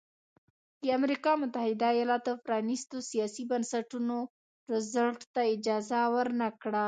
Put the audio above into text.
د امریکا متحده ایالتونو پرانیستو سیاسي بنسټونو روزولټ ته اجازه ورنه کړه.